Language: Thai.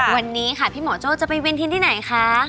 วันนี้ค่ะพี่หมอโจ้จะไปเวียนเทียนที่ไหนคะ